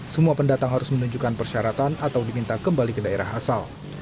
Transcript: semua pendatang harus menunjukkan persyaratan atau diminta kembali ke daerah asal